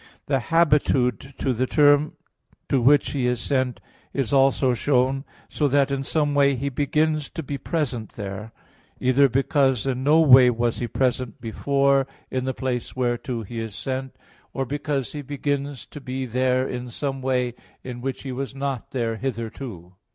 The habitude to the term to which he is sent is also shown, so that in some way he begins to be present there: either because in no way was he present before in the place whereto he is sent, or because he begins to be there in some way in which he was not there hitherto.